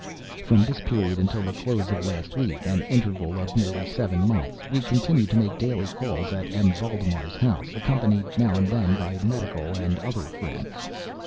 From this period until the close of last week—an interval of nearly seven months—we continued to make daily calls at M. Valdemar's house, accompanied, now and then, by medical and other friends.